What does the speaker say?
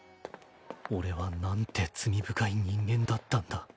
俺はなんて罪深い人間だったんだ。